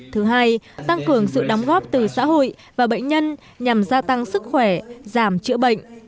thứ hai tăng cường sự đóng góp từ xã hội và bệnh nhân nhằm gia tăng sức khỏe giảm chữa bệnh